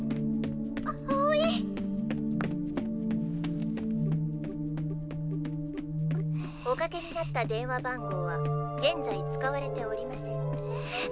葵☎おかけになった電話番号は現在使われておりませんえっ？